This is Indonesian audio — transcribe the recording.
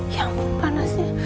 ya ampun panasnya